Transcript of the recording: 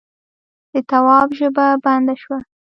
د تواب ژبه بنده شوه: